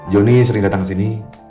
jonny sering datang kesini